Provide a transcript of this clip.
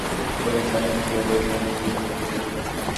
উপরের শয়নঘরে গিয়া বইগুলা মেজের উপর ফেলিয়া দিল।